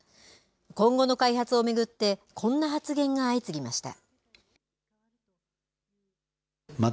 今後の開発を巡ってこんな発言が相次ぎました。